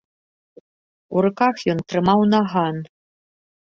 У руках ён трымаў наган.